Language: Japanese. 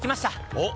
おっ！